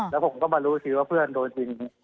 แล้วผมก็มารู้สิว่าเพื่อนโดนยิง